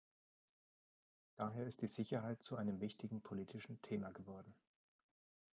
Daher ist die Sicherheit zu einem wichtigen politischen Thema geworden.